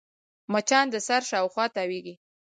مچان د سر شاوخوا تاوېږي